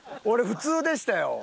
俺普通でしたよ。